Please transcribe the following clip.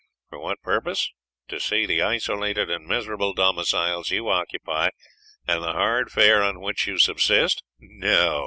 For what purpose? To see the isolated and miserable domiciles you occupy and the hard fare on which you subsist? No!